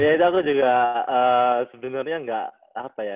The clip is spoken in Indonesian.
ya itu aku juga sebenarnya nggak apa ya